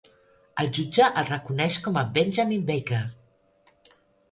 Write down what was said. El jutge el reconeix com a "Benjamin Barker!"